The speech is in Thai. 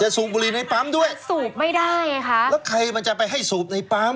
สูบบุหรี่ในปั๊มด้วยสูบไม่ได้ไงคะแล้วใครมันจะไปให้สูบในปั๊ม